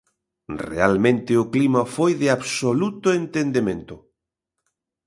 Realmente o clima foi de absoluto entendemento.